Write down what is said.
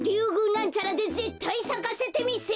なんちゃらでぜったいさかせてみせる！